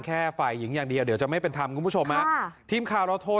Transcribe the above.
แค่ฝ่ายหญิงอย่างดีดังเดียวจะไม่เป็นทำทีมคราวเราโทร